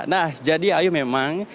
nah jadi ayo memang